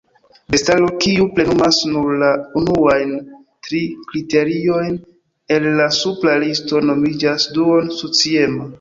Bestaro, kiu plenumas nur la unuajn tri kriteriojn el la supra listo, nomiĝas duon-sociema.